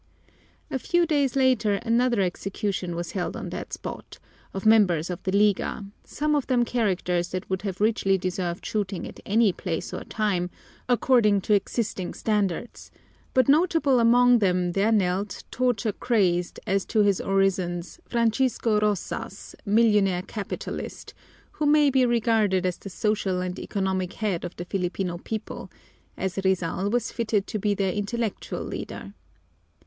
A few days later another execution was held on that spot, of members of the Liga, some of them characters that would have richly deserved shooting at any place or time, according to existing standards, but notable among them there knelt, torture crazed, as to his orisons, Francisco Roxas, millionaire capitalist, who may be regarded as the social and economic head of the Filipino people, as Rizal was fitted to be their intellectual leader.